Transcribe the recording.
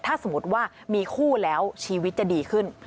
ถ้าสมมุติว่ามีคู่แล้วชีวิตจะดีขึ้น